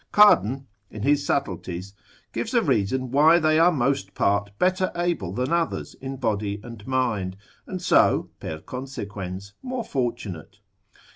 Cardan, in his subtleties, gives a reason why they are most part better able than others in body and mind, and so, per consequens, more fortunate.